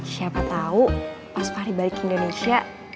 siapa tahu pas fahri balik indonesia